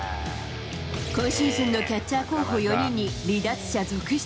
今シーズンのキャッチャー候補４人に離脱者続出。